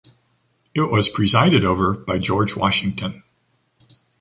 It was presided over by George Washington.